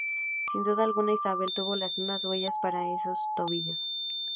Sin duda alguna, Isabelle tuvo las mismas huellas pero en su tobillo.